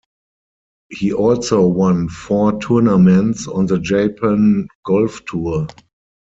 He also won four tournaments on the Japan Golf Tour.